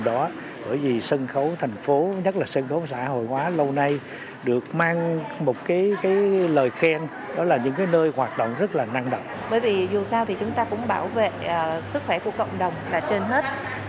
bởi vì dù sao thì chúng ta cũng bảo vệ sức khỏe của cộng đồng là trên hết